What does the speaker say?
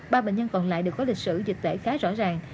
ba bệnh nhân còn lại đều có lịch sử dịch tễ khá rõ ràng